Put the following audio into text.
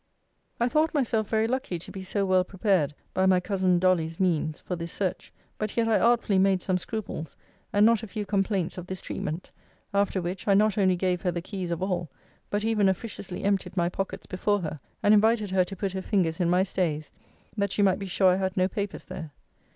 I thought myself very lucky to be so well prepared by my cousin Dolly's means for this search: but yet I artfully made some scruples, and not a few complaints of this treatment: after which, I not only gave her the keys of all, but even officiously emptied my pockets before her, and invited her to put her fingers in my stays, that she might be sure I had no papers there.